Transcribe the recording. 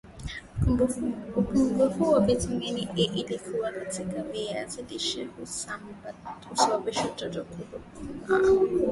upungufu wa vitamini A iliyo kwenye viazi lishe huasababisha watoto hudumaa